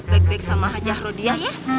baik baik sama hajah rodiah ya